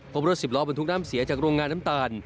พบรถสิบล้อบรรทุกน้ำเสียจากโรงงานน้ำตาล